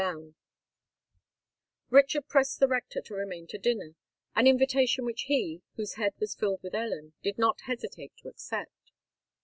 Richard pressed the rector to remain to dinner—an invitation which he, whose head was filled with Ellen, did not hesitate to accept.